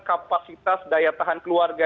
kapasitas daya tahan keluarga